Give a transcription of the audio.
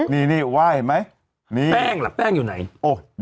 นี่นี่ไหว้เห็ทไหมนี้แป้งอ่ะแป้งอยู่ไหนโอ้เวท